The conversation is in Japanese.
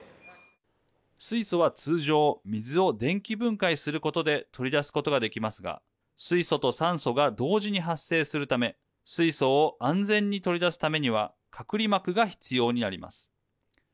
水素は通常水を電気分解することで取り出すことができますが水素と酸素が同時に発生するため水素を安全に取り出すためには隔離膜が必要になります。